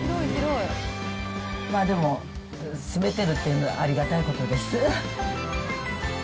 でも、住めてるっていうのは、ありがたいことです。